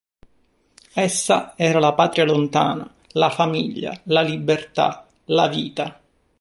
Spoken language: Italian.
Essa era la patria lontana, la famiglia, la libertà, la vita.